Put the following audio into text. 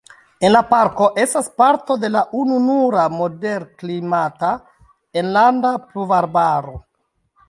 En la parko estas parto de la ununura moderklimata enlanda pluvarbaro.